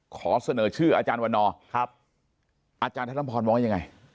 ขอเสนอชื่ออาจารย์วันนอร์อาจารย์ธนพรมองว่ายังไง